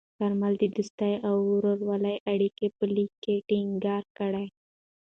کارمل د دوستۍ او ورورولۍ اړیکې په لیک کې ټینګار کړې.